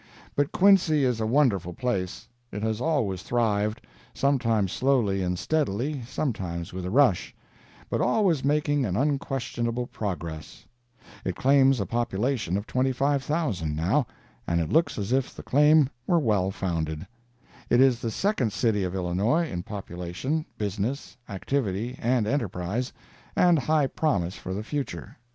But Quincy is a wonderful place. It has always thrived—sometimes slowly and steadily, sometimes with a rush—but always making an unquestionable progress. It claims a population of 25,000 now, and it looks as if the claim were well founded. It is the second city of Illinois, in population, business, activity and enterprise, and high promise for the future.